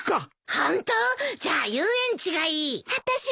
ホント？じゃあ遊園地がいい。あたしも！